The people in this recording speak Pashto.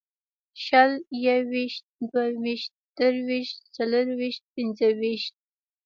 شل یوویشت دوهویشت درویشت څلېرویشت پنځهویشت